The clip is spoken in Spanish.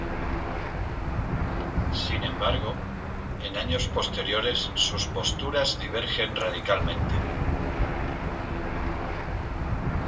Sin embargo, en años posteriores sus posturas divergen radicalmente.